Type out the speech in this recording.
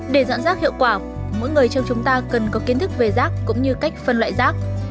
để dọn rác hiệu quả mỗi người trong chúng ta cần có kiến thức về rác cũng như cách phân loại rác